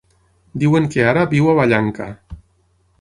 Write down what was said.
Diuen que ara viu a Vallanca.